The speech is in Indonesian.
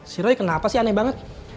si roy kenapa sih aneh banget